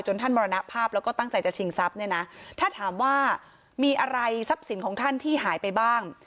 ท่านมรณภาพแล้วก็ตั้งใจจะชิงทรัพย์เนี่ยนะถ้าถามว่ามีอะไรทรัพย์สินของท่านที่หายไปบ้าง